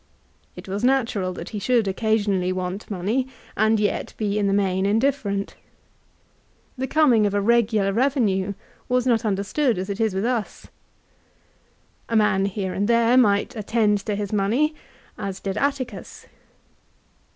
It was natural that he should occasionally want money, and yet be in the main indifferent. The incoming of a regular revenue was not understood as it is with us. A man, here and there, might attend to his money, as did Atticus.